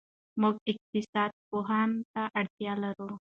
موږ اقتصاد پوهانو ته اړتیا لرو.